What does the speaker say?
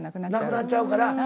なくなっちゃうから。